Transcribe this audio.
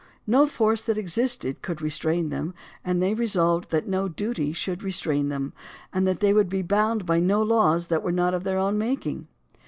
No force that existed could restrain them; and they resolved that no duty should restrain them, and that they would be bound by no laws that were not of their own making.